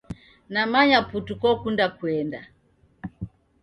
Namanya putu kokunda kuenda